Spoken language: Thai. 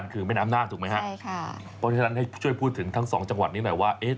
เพราะฉะนั้นให้ช่วยพูดถึงทั้งสองจังหวัดนี้หน่อยว่า